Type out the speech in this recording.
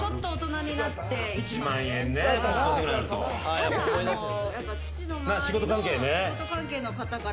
ただやっぱ父の周りの仕事関係の方から。